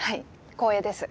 光栄です。